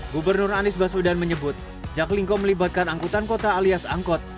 gubernur anies baswedan menyebut jaklingko melibatkan angkutan kota alias angkot